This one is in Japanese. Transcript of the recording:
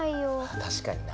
確かにな。